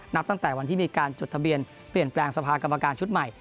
นับตั้งแต่วันที่มีการจดทะเบียนเปลี่ยนแปลงสภากรรมการชุดใหม่